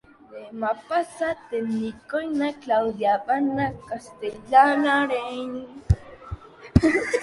Demà passat en Nico i na Clàudia van a Castell de l'Areny.